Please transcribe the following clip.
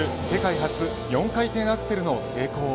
世界初４回転アクセルの成功。